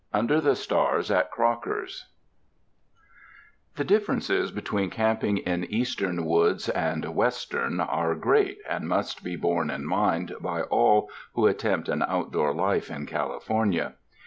Under the Stars at Crocker's THE differences between camping in Eastern woods and Western are great and must be borne in mind by all who attempt an outdoor life in California.